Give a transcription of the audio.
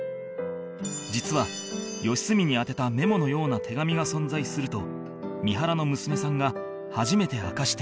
実は良純に宛てたメモのような手紙が存在すると三原の娘さんが初めて明かしてくれた